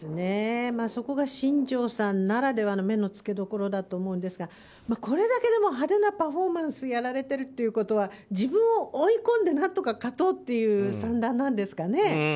そこが新庄さんならではの目の付け所だと思うんですがこれだけ派手なパフォーマンスをやられてるということは自分を追い込んで何とか勝とうという算段なんですかね。